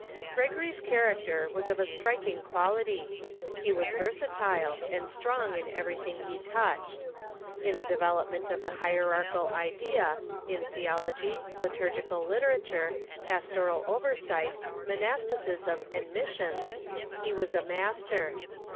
Gregory's character was of a striking qualit3\ He was ver satile, and strong in everything he touched. In the develop ment of the hierarchical idea, in theology, liturgical Gregory ,.,.,..,. literature, pastoral oversight, monasticism, and mis sions, he was a master.